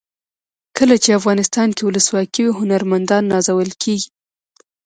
کله چې افغانستان کې ولسواکي وي هنرمندان نازول کیږي.